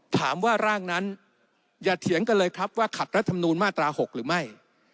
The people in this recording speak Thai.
ถามว่าร่างนั้นอย่าเถียงกันเลยครับว่าขัดรัฐมนูลมาตรา๖หรือไม่